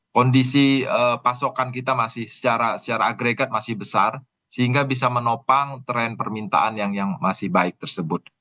kondisi pasokan kita masih secara agregat masih besar sehingga bisa menopang tren permintaan yang masih baik tersebut